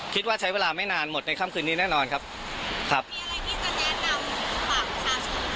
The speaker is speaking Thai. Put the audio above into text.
คิดว่าใช้เวลาไม่นานหมดในค่ำคืนนี้แน่นอนครับครับมีอะไรที่จะแนะนำฝั่งประชาชน